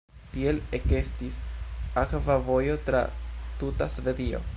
Tiel ekestis akva vojo tra tuta Svedio.